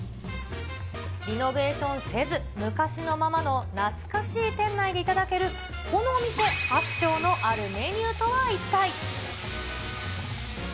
リノベーションせず、昔のままの懐かしい店内で頂ける、このお店発祥のあるメニューとは一体。